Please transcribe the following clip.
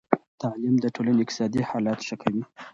تعلیم د ټولنې اقتصادي حالت ښه کوي.